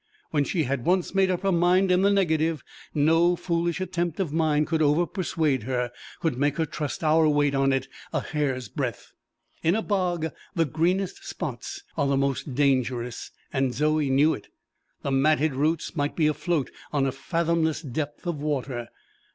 When she had once made up her mind in the negative, no foolish attempt of mine could overpersuade her could make her trust our weight on it a hair's breadth. In a bog the greenest spots are the most dangerous, and Zoe knew it: the matted roots might be afloat on a fathomless depth of water.